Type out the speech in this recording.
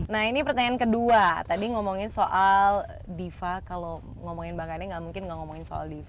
nah ini pertanyaan kedua tadi ngomongin soal diva kalau ngomongin bang ade gak mungkin ngomongin soal diva